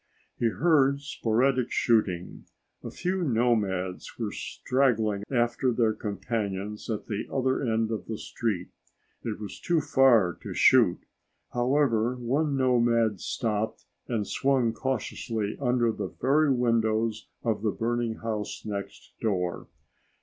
He heard sporadic shooting. A few nomads were straggling after their companions at the other end of the street. It was too far to shoot. However, one nomad stopped and swung cautiously under the very windows of the burning house next door.